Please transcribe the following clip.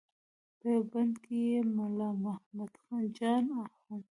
په یوه بند کې یې ملا محمد جان اخوند.